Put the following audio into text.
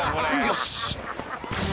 よし！